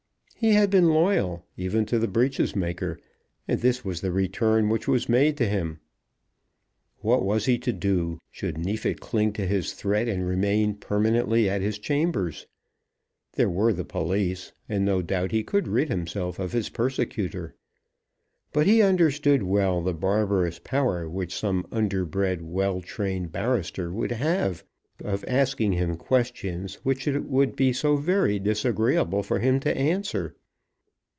He had been loyal, even to the breeches maker; and this was the return which was made to him! What was he to do, should Neefit cling to his threat and remain permanently at his chambers? There were the police, and no doubt he could rid himself of his persecutor. But he understood well the barbarous power which some underbred, well trained barrister would have of asking him questions which it would be so very disagreeable for him to answer!